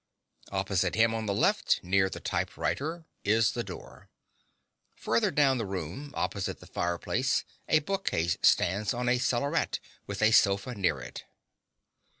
Opposite him on the left, near the typewriter, is the door. Further down the room, opposite the fireplace, a bookcase stands on a cellaret, with a sofa near it.